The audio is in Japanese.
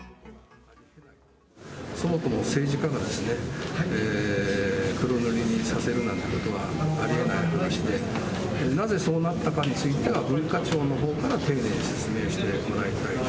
そもそも政治家が黒塗りにさせるなんてことはありえない話でございまして、なぜそうなったかについては、文化庁のほうから丁寧に説明してもらいたい。